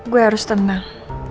gue harus tenang